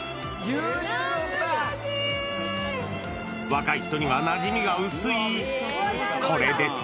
若い人にはなじみが薄い、これです。